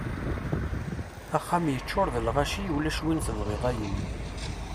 Axxam yeččuṛ d lɣaci ulac win tebɣiḍ ay ul!